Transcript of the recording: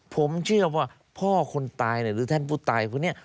ผมเชื่อว่าพ่อคนตายหรือท่านผู้ตายคนนี้